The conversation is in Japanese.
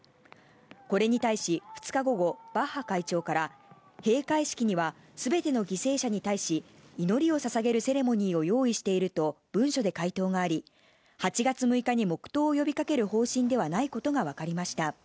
これに対し２日午後、バッハ会長から閉会式にはすべての犠牲者に対し祈りをささげるセレモニーを用意していると文書で回答があり、８月６日に黙とうを呼びかける方針ではないことがわかりました。